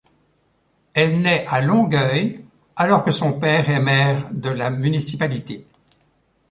Elle naît à Longueuil, alors que son père est maire de la Municipalité.